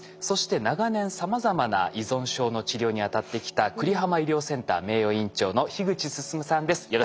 そして長年さまざまな依存症の治療にあたってきた久里浜医療センター名誉院長の樋口進さんです。